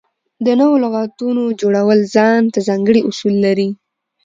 د نوو لغاتونو جوړول ځان ته ځانګړي اصول لري.